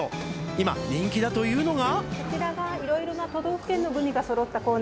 今人気だというのが。